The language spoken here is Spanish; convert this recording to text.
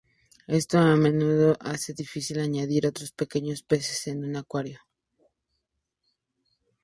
Esto a menudo hace difícil añadir otros pequeños peces en un acuario.